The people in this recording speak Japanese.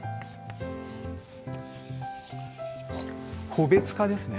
個別化ですね。